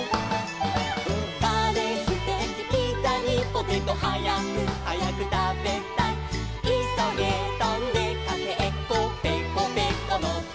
「カレーステーキピザにポテト」「はやくはやくたべたい」「いそげとんでかけっこぺこぺこのコケッコー」